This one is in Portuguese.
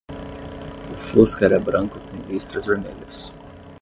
O fusca era branco com listras vermelhas.